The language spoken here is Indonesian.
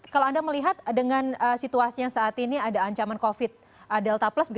kalau anda melihat dengan situasi yang saat ini ada ancaman covid delta plus